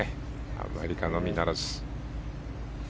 アメリカのみならず。